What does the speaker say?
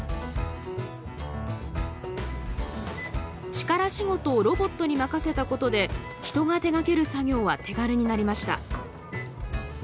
力仕事をロボットに任せたことで人が手がける作業は手軽になりました。